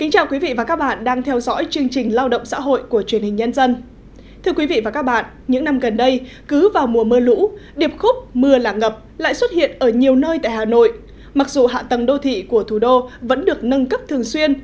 hãy đăng ký kênh để ủng hộ kênh của chúng mình nhé